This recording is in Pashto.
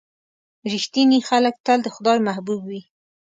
• رښتیني خلک تل د خدای محبوب وي.